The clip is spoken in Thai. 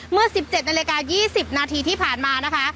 เมื่อ๑๗นาฬิกา๒๐นาทีที่ผ่านมานะคะ